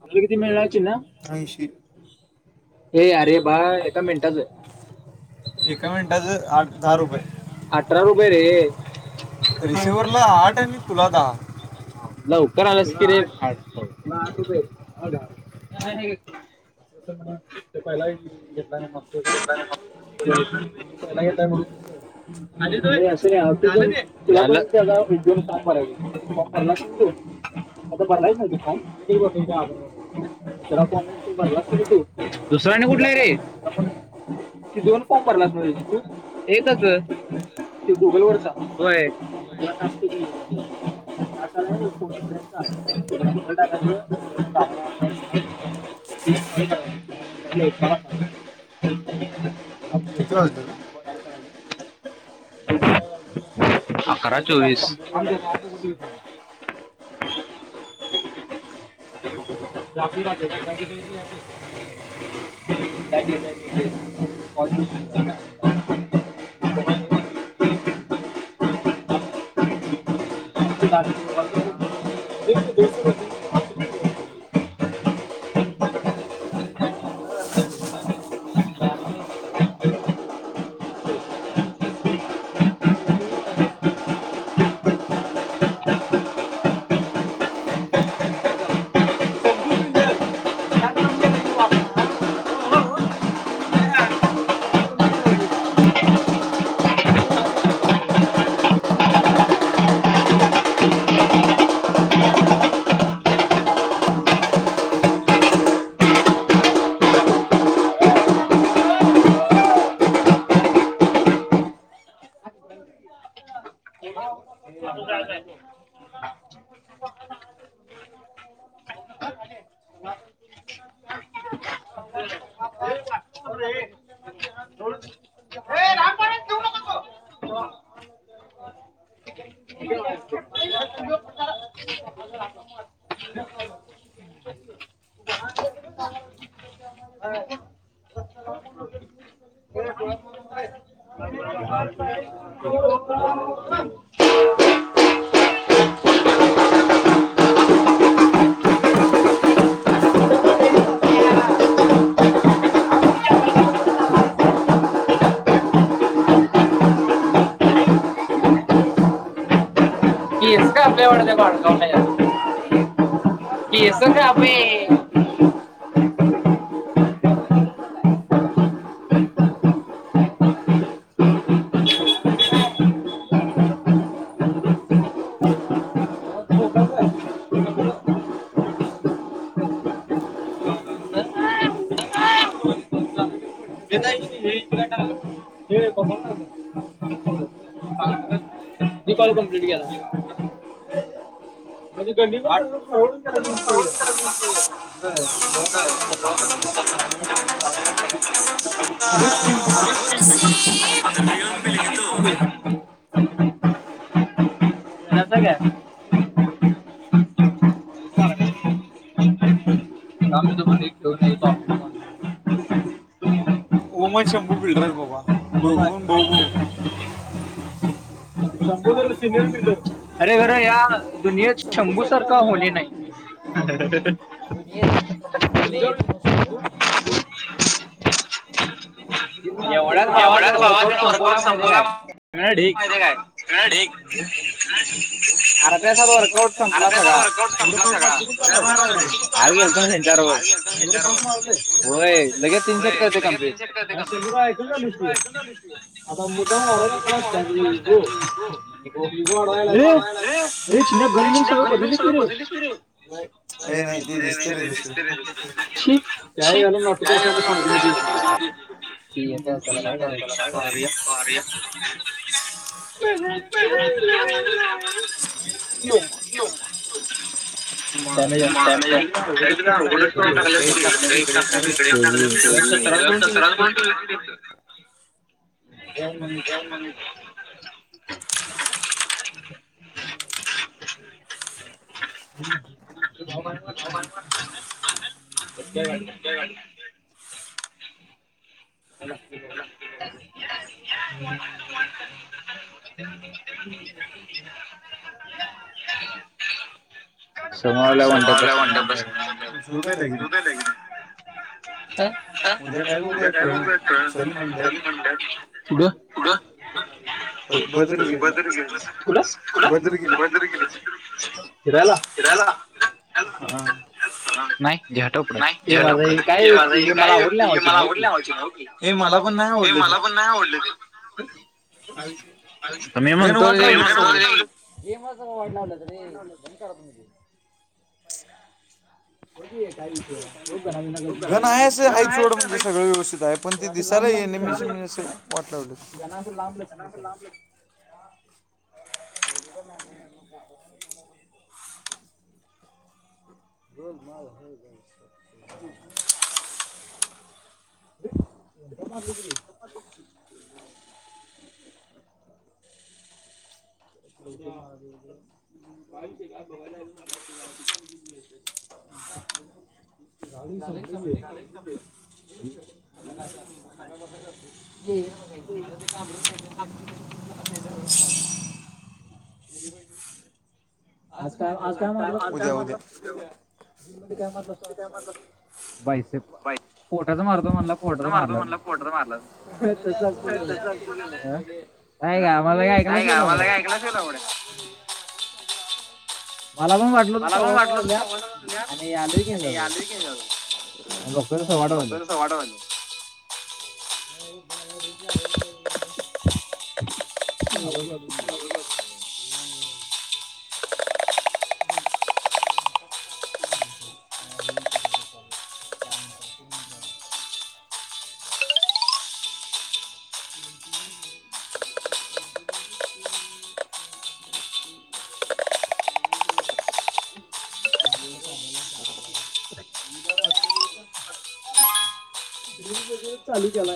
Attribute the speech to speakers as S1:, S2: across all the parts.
S1: मला किती मिळणारची ना अऐशी ए अरे बा एका मिनटात
S2: एका मिनटचं अठरा रुपये अठरा रुपये रे ला हठ आहे तता लवकर आलास कि रे म तूपेड पहिला घेत मागतोय म्हण झाल ते आता भरल्यास नव त्यो फार्म दुसऱ्याने कुठला रे त दोन फार्म भरलास नव एकच त गुगल वरचा [inaudible] [inaudible]
S1: [inaudible] [inaudible]
S2: आपली बा [inaudible] [inaudible] [inaudible] [inaudible] ह कामले वडते बण सणे केस खप दीप कंप्लीट केला म्हणजे गडी
S1: ओमय शमभू बिल्डरस बाबा दोघ पण भा
S2: अरे घरं या दुनियाेत शंभू सारखा होले नाही एवढ्याच
S1: ्याच भावाांकडे वर्कउट संपवला काय क अर्ध वरट स का ोलजग तीनशे का दख सग बध सर ए नाही ते दिसत रे दिस ह
S2: ते ब क आ हो
S1: डट उ क क सराज
S2: का म्ह ह ह् सवला म्हंड आ काय बोलतो
S1: म्हण म्हण कुठं बदरीद भदरगिलीदि फिराला हा नाही [unintelligible] मला आवड मला पण नाही आवड मला पण नाही आवडले गण वाटला गेम स वाट लावलं त ररी [unintelligible] घण आहेस हाण सगळ व्यवस्थित आहे पण ते दिसायला ये म्ह अस वाट [unintelligible] बोल माल हो जा [inaudible] [inaudible] [unintelligible] [unintelligible] [inaudible] आज काय काय काय उद्या उद्या बा पोटाच मारतो म्हण पोटाचा मारतो म्हणला पोटाच मारला आमला आम्हाला ऐक मला पण वाटल मला पण वाटल द याद आली की ग सव्वा आठ वाजले
S2: [inaudible] [inaudible] चालू केला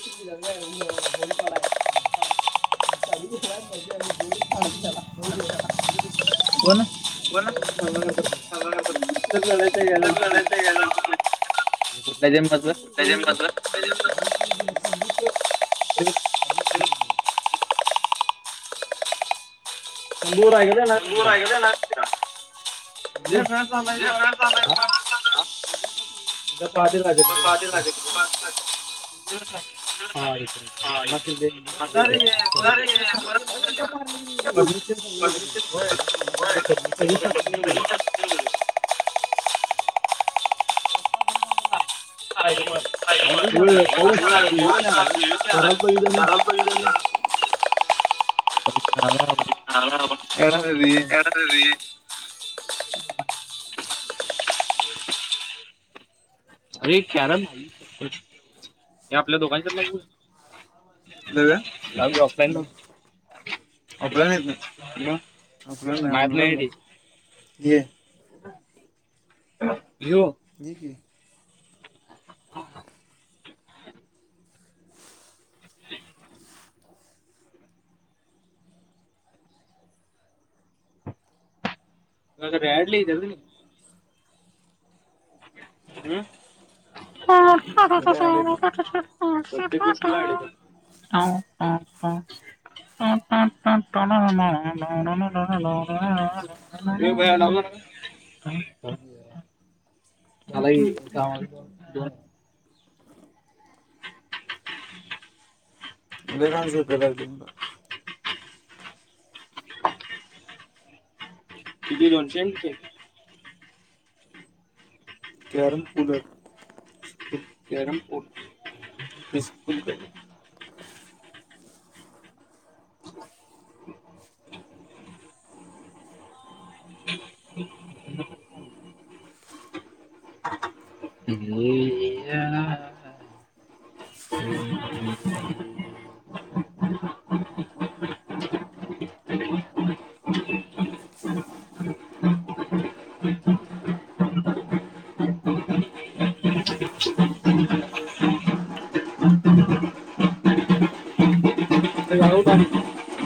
S2: [inaudible] अडकलाय
S1: बोला, बोला, बोला, [inaudible]
S2: कुठल्या जेल मधलं
S1: कुठल्या जेल मधल
S2: हम तंदूर आगर
S1: [unintelligible]
S2: एक [unintelligible] पाे लागे [unintelligible]
S1: [unintelligible]
S2: बर का
S1: हा [inaudible]
S2: [unintelligible] [unintelligible]
S1: [unintelligible]
S2: [unintelligible]
S1: घडतवी
S2: [inaudible] अरे कॅरम
S1: [unintelligible] आपल्यान येत नाही आपल्या नाही ऑनला ज ज की [unintelligible]
S2: हम्म [unintelligible] [unintelligible] [unintelligible] [unintelligible]
S1: [unintelligible]
S2: [unintelligible] किती दोनशे रूपए!
S1: [unintelligible] [unintelligible]
S2: [unintelligible] [unintelligible] [unintelligible] [unintelligible]